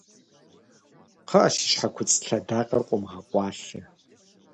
Къыӏэ си щхьэ куцӏ лъэдакъэр къомыгъэкъуалъэ